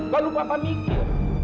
kalau papa mikir